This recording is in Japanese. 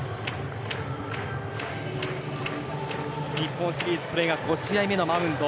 日本シリーズこれが５試合目のマウンド。